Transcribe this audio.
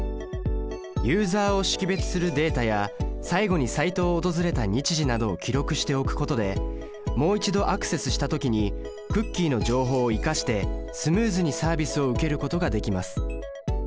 ユーザを識別するデータや最後にサイトを訪れた日時などを記録しておくことでもう一度アクセスした時にクッキーの情報を活かしてスムーズにサービスを受けることができます。